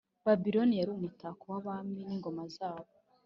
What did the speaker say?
Babiloni, yari umutako w’abami n’ingoma zabo,